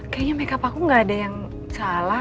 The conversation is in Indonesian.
kayanya make up aku gak ada yang salah